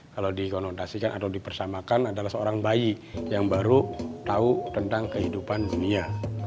kalau dikonodasikan atau dipersamakan adalah seorang bayi yang baru tahu tentang kehidupan dunia